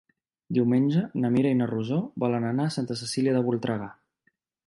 Diumenge na Mira i na Rosó volen anar a Santa Cecília de Voltregà.